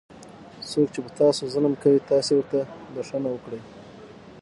څوک چې په تاسو ظلم کوي تاسې ورته بښنه وکړئ.